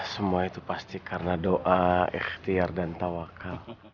semua itu pasti karena doa ikhtiar dan tawakal